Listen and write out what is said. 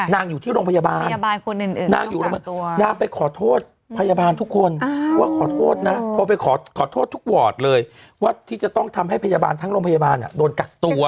อยู่ที่โรงพยาบาลนางไปขอโทษพยาบาลทุกคนว่าขอโทษนะโทรไปขอโทษทุกวอร์ดเลยว่าที่จะต้องทำให้พยาบาลทั้งโรงพยาบาลโดนกักตัว